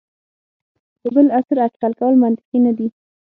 د بل عصر اټکل کول منطقي نه دي.